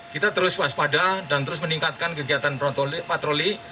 kita terus waspada dan terus meningkatkan kegiatan patroli